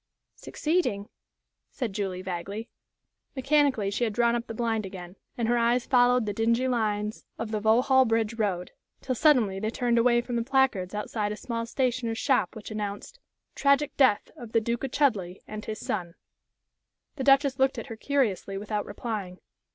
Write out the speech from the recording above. '" "Succeeding?" said Julie, vaguely. Mechanically she had drawn up the blind again, and her eyes followed the dingy lines of the Vauxhall Bridge Road, till suddenly they turned away from the placards outside a small stationer's shop which announced: "Tragic death of the Duke of Chudleigh and his son." The Duchess looked at her curiously without replying.